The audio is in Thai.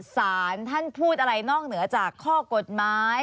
สารท่านพูดอะไรนอกเหนือจากข้อกฎหมาย